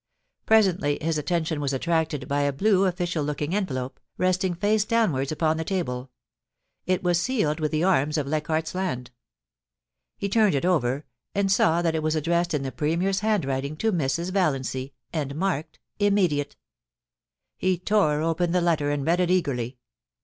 Pre sently his attention was attracted by a blue official looking envelope, resting face downwards upon the table ; it was sealed with the arms of Leichardt's Land. He turned it over, and saw that it was addressed in the Premier's hand writing to Mrs. Valiancy, and marked * Immediate.' He tore open the letter and read it eagerly.